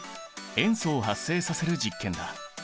塩素を発生させる実験だ。